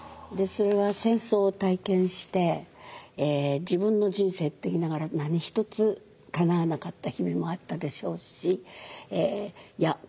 それは戦争を体験して自分の人生って言いながら何一つかなわなかった日々もあったでしょうしいや